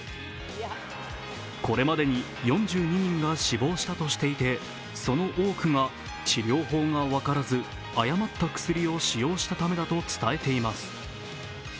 これまでに４２人が死亡したとしていてその多くが治療法が分からず、誤った薬を使用したためだと伝えられています。